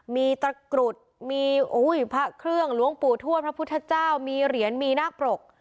มีตะกรุดมีพระเครื่องหลวงปู่ทวดพระพุทธเจ้ามีเหรียญมีนาคปรก